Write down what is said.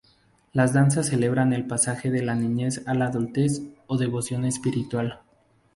Las danzas celebran el pasaje de la niñez a la adultez o devoción espiritual.